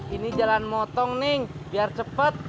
ini jalan motong neng biar cepet